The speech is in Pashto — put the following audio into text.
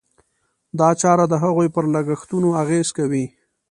دا چاره د هغوی پر لګښتونو اغېز کوي.